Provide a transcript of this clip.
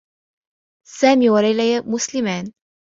سامي و ليلى مسلمان.